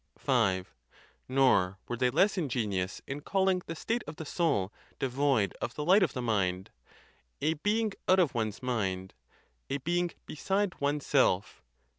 V. Nor were they less ingenious in calling the state of the soul devoid of the light of the mind, "a being out of one's mind," "a being beside one's self."